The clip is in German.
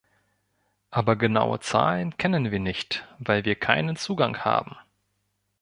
Aber genaue Zahlen kennen wir nicht, weil wir keinen Zugang haben.